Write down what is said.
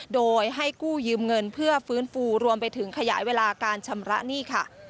โดยให้กู้ยืมเงินเพื่อฟื้นฟูรวมไปถึงขยายเวลาการชำระหนี้ค่ะ